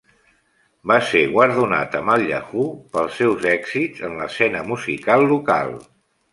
Va ser guardonat amb el Yahoo! pels seus èxits en l'escena musical local.